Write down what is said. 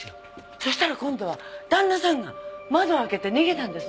そしたら今度は旦那さんが窓を開けて逃げたんですね。